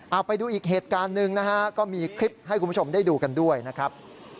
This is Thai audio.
เอาไปดูอีกเหตุการณ์หนึ่งนะฮะก็มีคลิปให้คุณผู้ชมได้ดูกันด้วยนะครับ